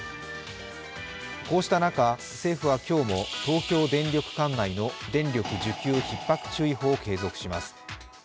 こうした中、政府は今日も東京電力管内の電力需給ひっ迫注意報を継続します。